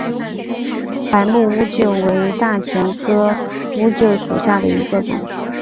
白木乌桕为大戟科乌桕属下的一个种。